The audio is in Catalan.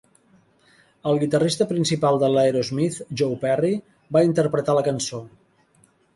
El guitarrista principal de Aerosmith, Joe Perry, va interpretar la cançó.